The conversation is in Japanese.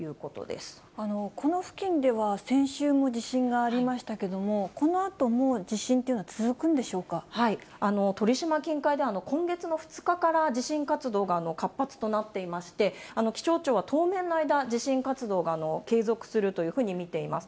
この付近では、先週も地震がありましたけども、このあとも地震というのは続くん鳥島近海では、今月の２日から地震活動が活発となっていまして、気象庁は当面の間、地震活動が継続するというふうに見ています。